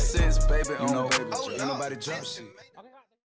siap satu dua tiga